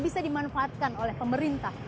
bisa dimanfaatkan oleh pemerintah